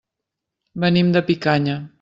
Venim de Picanya.